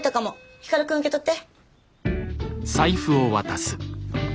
光くん受け取って。